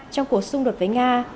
trong cuộc xung đột với nga